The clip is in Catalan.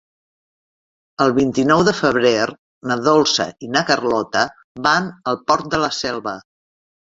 El vint-i-nou de febrer na Dolça i na Carlota van al Port de la Selva.